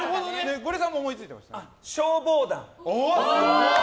ゴリエさんも思いついてます？